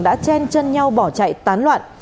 đã chen chân nhau bỏ chạy tán loạn